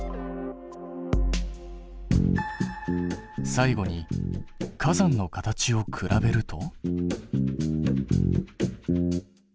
最後に火山の形を比べると。